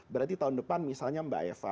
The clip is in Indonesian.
berarti tahun depan misalnya mbak eva